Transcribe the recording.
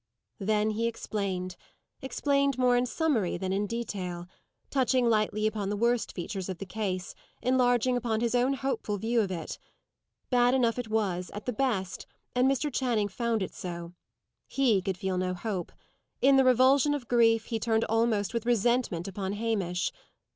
Then he explained explained more in summary than in detail touching lightly upon the worst features of the case, enlarging upon his own hopeful view of it. Bad enough it was, at the best, and Mr. Channing found it so. He could feel no hope. In the revulsion of grief, he turned almost with resentment upon Hamish.